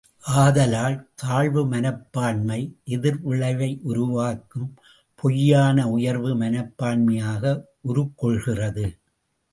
ஆதலால் தாழ்வு மனப்பான்மை எதிர் விளைவை உருவாக்கும் பொய்யான உயர்வு மனப்பான்மையாக உருக் கொள்கிறது.